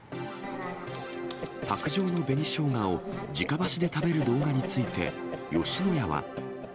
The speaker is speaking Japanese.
卓上の紅しょうがをじか箸で食べる動画について、吉野家は。